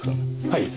はい。